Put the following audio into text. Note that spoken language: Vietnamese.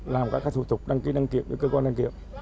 làm các thủ tục đăng ký đăng kiểm với cơ quan đăng kiểm